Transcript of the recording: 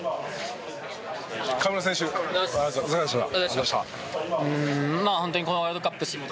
河村選手、お疲れ様でした。